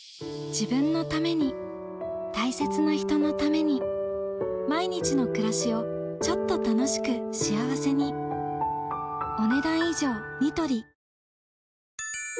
自分のために大切な人のために毎日の暮らしをちょっと楽しく幸せにでは「Ｎスタ」です。